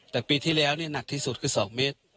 แต่ปีที่แล้วนี่หนักที่สุดคือ๒เมตร